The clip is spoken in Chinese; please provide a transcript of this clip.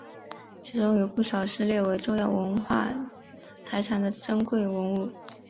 其中有不少是列为重要文化财产的珍贵文物。